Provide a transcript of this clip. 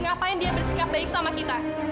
ngapain dia bersikap baik sama kita